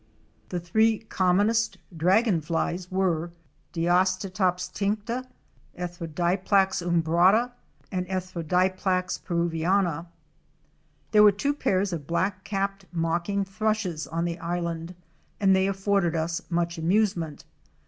The three commonest dragon flies were Diastatops tincta, Erythrodiplax umbrata and E. peruviana. There were two pairs of Black capped Mocking thrushes on the island and they afforded us much amusement.